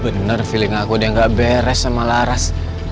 bener bener feeling aku dia gak beres sama laras